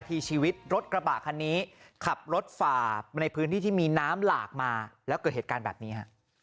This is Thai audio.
ทีชีวิตรถกระบะคันนี้ขับรถฝ่ามาในพื้นที่ที่มีน้ำหลากมาแล้วเกิดเหตุการณ์แบบนี้ฮะ